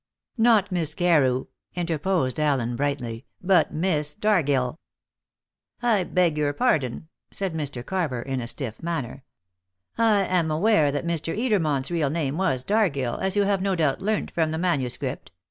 "Not Miss Carew," interposed Allen brightly, "but Miss Dargill." "I beg your pardon," said Mr. Carver in a stiff manner. "I am aware that Mr. Edermont's real name was Dargill, as you have no doubt learnt from the manuscript.